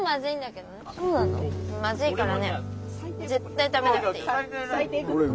まずいからね絶対食べなくていい。